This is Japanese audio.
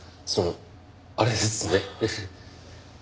そのあれですね。